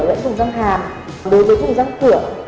và vùng răng hàm đối với vùng răng cửa